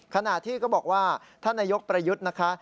ขณะที่ก็บอกว่าท่านนายกประยุทธ์นะคะ